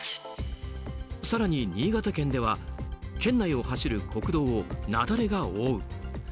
更に新潟県では県内を走る国道を雪崩が覆う。